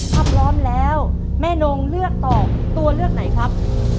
ถ้าพร้อมแล้วแม่นงเลือกตอบตัวเลือกไหนครับ